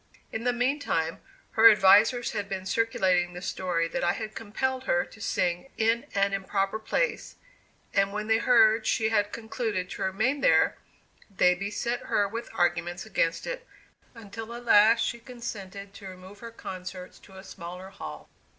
In the mean time, her advisers had been circulating the story that I had compelled her to sing in an improper place, and when they heard she had concluded to remain there, they beset her with arguments against it, until at last she consented to remove her concerts to a smaller hall.